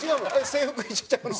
制服一緒ちゃうの？